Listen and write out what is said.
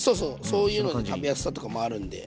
そういうので食べやすさとかもあるんで。